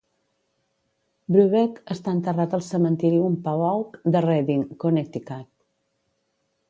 Brubeck està enterrat al cementiri Umpawaug de Redding, Connecticut.